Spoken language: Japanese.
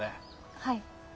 はい。